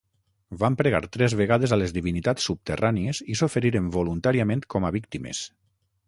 Van pregar tres vegades a les divinitats subterrànies i s'oferiren voluntàriament com a víctimes.